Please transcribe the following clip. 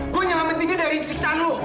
gua nyelamatin dia dari siksaan lu